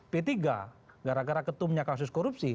p tiga gara gara ketumnya kasus korupsi